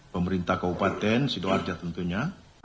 pemerintah kabupaten sidoarjo tentunya